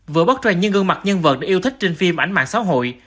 vừa bắt ra những gương mặt nhân vật đã yêu thích trên phim ảnh mạng xã hội